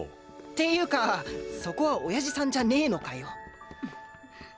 ていうかそこは親父さんじゃねえのかよ！